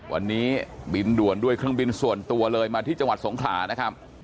วันนี้บินด่วนด้วยเครื่องบินส่วนตัวเลยมาที่จังหวัดสงขลานะครับ